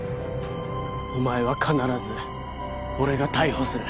お前は必ず俺が逮捕する